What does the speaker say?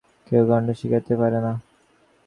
কেহ কাহাকেও শিখাইতে পারে না।